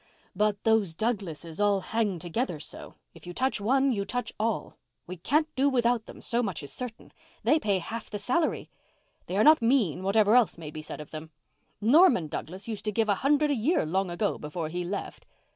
"But those Douglases all hang together so. If you touch one, you touch all. We can't do without them, so much is certain. They pay half the salary. They are not mean, whatever else may be said of them. Norman Douglas used to give a hundred a year long ago before he left."